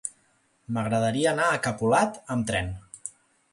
M'agradaria anar a Capolat amb tren.